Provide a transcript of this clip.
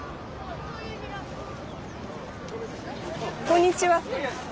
こんにちは。